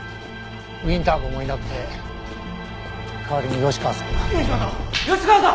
ウィンター号もいなくて代わりに吉川さんが。吉川さん？